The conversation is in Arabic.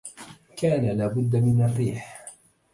كان لا بد من الريح